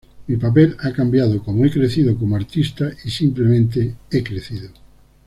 Mi papel ha cambiado como he crecido como artista y simplemente he crecido.